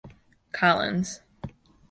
Collins.